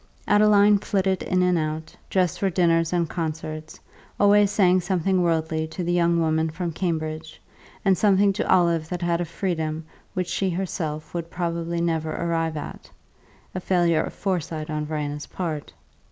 Adeline flitted in and out, dressed for dinners and concerts, always saying something worldly to the young woman from Cambridge, and something to Olive that had a freedom which she herself would probably never arrive at (a failure of foresight on Verena's part).